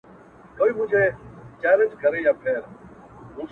د انتظار خبري ډيري ښې دي!